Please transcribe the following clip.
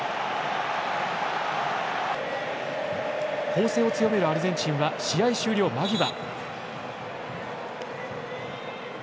攻勢を強めるアルゼンチンは試合終了間際。